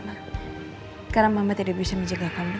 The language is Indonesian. aku gak marah kok sama mama